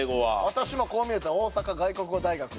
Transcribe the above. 私もこう見えて大阪外国語大学。